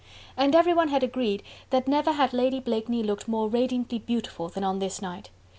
And everyone had agreed that never had Lady Blakeney looked more radiantly beautiful than on this night.